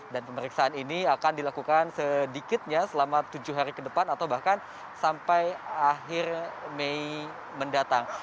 dan pemeriksaan ini akan dilakukan sedikitnya selama tujuh hari ke depan atau bahkan sampai akhir mei mendatang